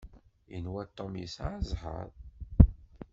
Yenwa Tom yesɛa zzheṛ.